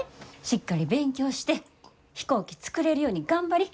しっかり勉強して飛行機作れるように頑張り。